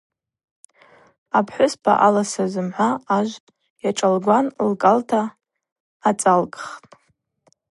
Апхӏвыспа аласа зымгӏва ажв йашӏалгван лкӏалта ацӏалкӏхтӏ.